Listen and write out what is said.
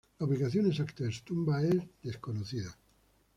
La ubicación exacta de su tumba es desconocida.